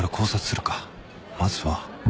まずは